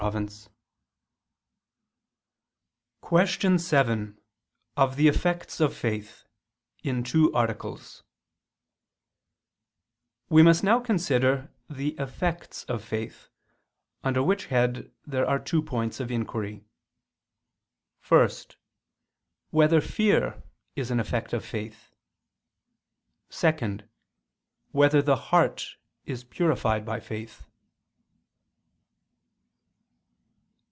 _______________________ QUESTION 7 OF THE EFFECTS OF FAITH (In Two Articles) We must now consider the effects of faith: under which head there are two points of inquiry: (1) Whether fear is an effect of faith? (2) Whether the heart is purified by faith?